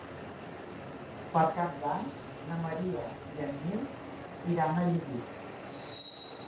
Per Cap d'Any na Maria i en Nil iran a Llubí.